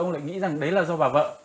ông lại nghĩ rằng đấy là do bà vợ